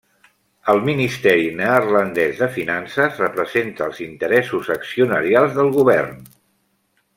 El Ministeri neerlandès de Finances representa els interessos accionarials del Govern.